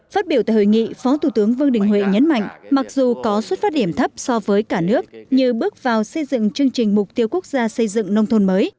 phát biểu tại hội nghị phó thủ tướng vương đình huệ nhấn mạnh mặc dù có xuất phát điểm thấp so với cả nước như bước vào xây dựng chương trình mục tiêu quốc gia xây dựng nông thôn mới